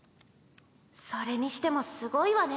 それにしてもすごいわね